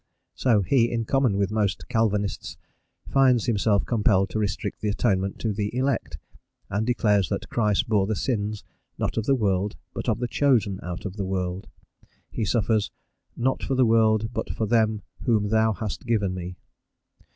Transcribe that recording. So he, in common with most Calvinists, finds himself compelled to restrict the atonement to the elect, and declared that Christ bore the sins, not of the world, but of the chosen out of the world; he suffers "not for the world, but for them whom Thou hast given me."